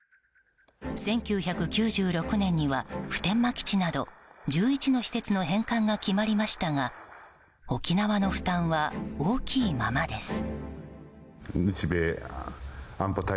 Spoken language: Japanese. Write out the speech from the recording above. １９９６年には普天間基地など１１の施設の返還が決まりましたが沖縄の負担は大きいままです。